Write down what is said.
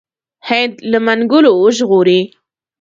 هند له منګولو وژغوري.